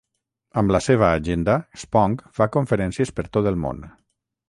Amb la seva agenda, Spong fa conferències per tot el món.